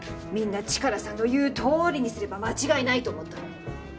みんなチカラさんの言うとおりにすれば間違いないと思ったのに。